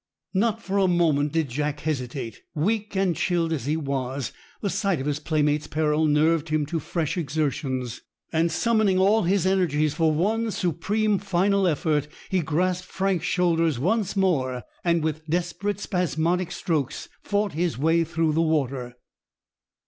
Not for a moment did Jack hesitate. Weak and chilled as he was, the sight of his playmate's peril nerved him to fresh exertions, and summoning all his energies for one supreme final effort, he grasped Frank's shoulder once more, and with desperate spasmodic strokes fought his way through the water.